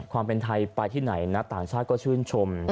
ความเป็นไทยไปที่ไหนนะต่างชาติก็ชื่นชม